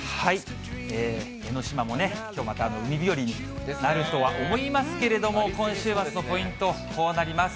江の島もね、きょうまた海日和になるとは思いますけれども、今週はポイント、こうなります。